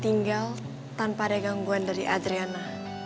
tinggal tanpa ada gangguan dari adriana